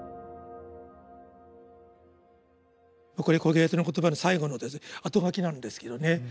これ「コヘレトの言葉」の最後の「あとがき」なのですけどね。